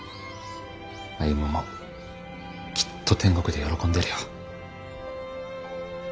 歩もきっと天国で喜んでるよ。